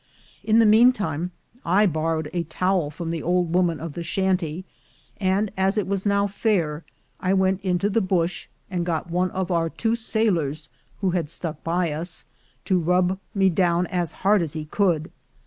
In the meantime I borrowed a towel from the old woman of the shanty; and as it was now fair, I went into the bush, and got one of our two sailors, who had stuck by us, to rub me down as hard as he could.